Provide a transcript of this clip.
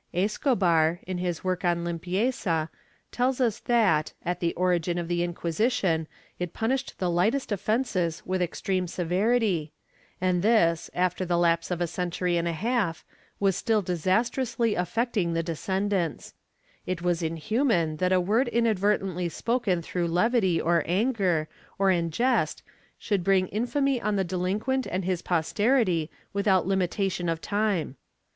Escobar, in his work on Limpieza, tells us that, at the origin of the Inquisition it punished the lightest offences with extreme severity and this, after the lapse of a century and a half, was still disastrously affecting the descendants ; it was inhuman that a word inadvertently spoken through levity, or anger, or in jest should bring infamy on the delinquent and his posterity without limi tation of time.